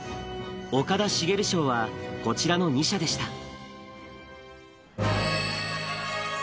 岡田茂賞はこちらの２社でした。